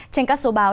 trên các số báo